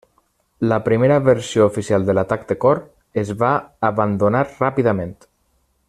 La primera versió oficial de l'atac de cor es va abandonar ràpidament.